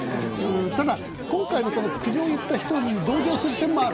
ただ、今回の苦情を言った人に同情する気持ちもある。